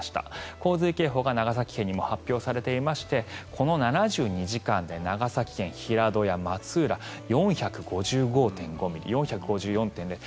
洪水警報が長崎県にも発表されていましてこの７２時間で長崎県平戸や松浦４５５．５ミリ４５４．０ミリ。